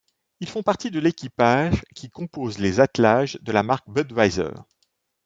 Ils font partie de l'équipage qui compose les attelages de la marque Budweiser.